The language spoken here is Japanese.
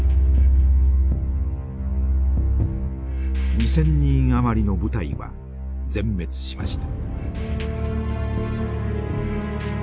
２，０００人余りの部隊は全滅しました。